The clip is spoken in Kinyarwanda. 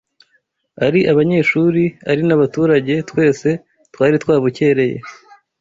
Ari abanyeshuri ari n’abaturage twese twari twabukereye